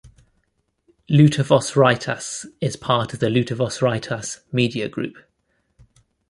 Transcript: "Lietuvos Rytas" is part of Lietuvos rytas media group.